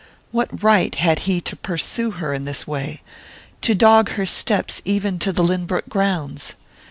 What right had he to pursue her in this way, to dog her steps even into the Lynbrook grounds?